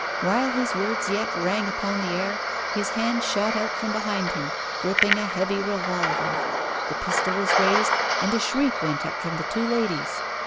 While his words yet rang upon the air his hand shot out from behind him, gripping a heavy revolver. The pistol was raised, and a shriek went up from the two ladies.